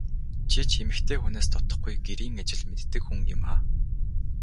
Чи ч эмэгтэй хүнээс дутахгүй гэрийн ажил мэддэг хүн юмаа.